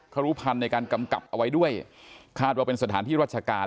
เขารู้พันธุ์ในการกำกับเอาไว้ด้วยคาดว่าเป็นสถานที่ราชการ